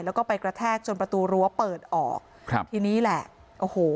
แล้วก็ไปกระแทกจนประตูรั้วเปิดออกครับทีนี้แหละโอ้โห